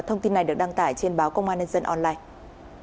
thông tin này được đăng tải trên báo công an nhân dân online